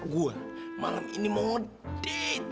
gue malam ini mau date